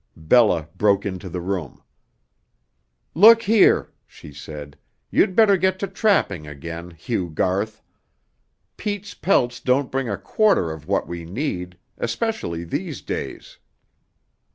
Bella broke into the room. "Look here," she said, "you'd better get to trapping again, Hugh Garth. Pete's pelts don't bring a quarter of what we need especially these days."